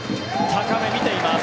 高め、見ています。